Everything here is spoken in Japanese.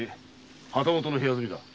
旗本の部屋住みだ。